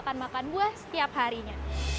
kita lupakan makan buah setiap harinya